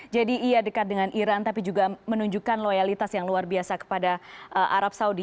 jadi iya dekat dengan iran tapi juga menunjukkan loyalitas yang luar biasa kepada arab saudi